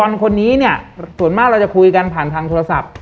คนนี้เนี่ยส่วนมากเราจะคุยกันผ่านทางโทรศัพท์